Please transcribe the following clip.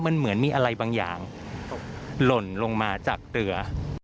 มันเหมือนมีอะไรบางอย่างหล่นลงมาจากเรือ